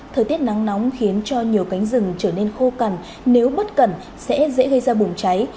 thời tiết nắng nóng khiến cho nhiều cánh rừng trở nên khô cằn nếu bất cẩn sẽ dễ gây ra bùn cháy